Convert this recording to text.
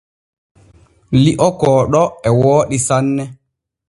Li’o kooɗo e wooɗi sanne.